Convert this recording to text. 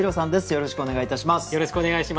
よろしくお願いします。